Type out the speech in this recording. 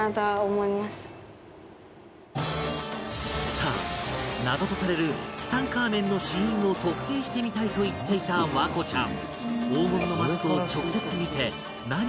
さあ謎とされるツタンカーメンの死因を特定してみたいと言っていた環子ちゃん